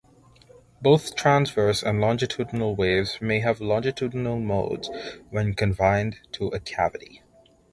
Both transverse and longitudinal waves may have longitudinal modes when confined to a cavity.